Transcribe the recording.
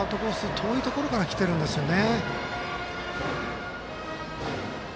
遠いところからきてるんですよね。